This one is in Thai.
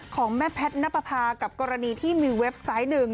ของแม่แพทย์ณปภากับกรณีที่มีเว็บไซต์หนึ่ง